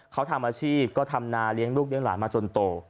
เขาทำอาชีพก็ทำนาเลี้ยงลูกเลี้ยหลานมาจนโต